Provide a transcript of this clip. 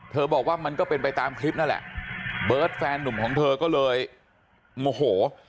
บอกว่ามันก็เป็นไปตามคลิปนั่นแหละเบิร์ตแฟนหนุ่มของเธอก็เลยโมโห